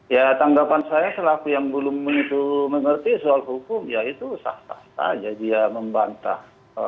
ya tanggapan saya selaku yang belum itu mengerti soal hukum ya itu sah sah saja dia membantah